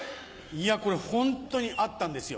これホントにあったんですよ